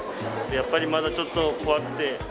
やっぱりまだちょっと怖くて。